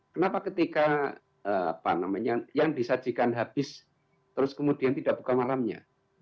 kenapa ketika apa namanya yang disajikan habis terus kemudian tidak buka malamnya